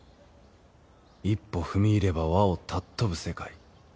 一歩踏み入れば和を貴ぶ世界